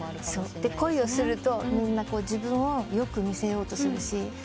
で恋をするとみんな自分をよく見せようとするし。